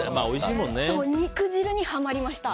肉汁にハマりました。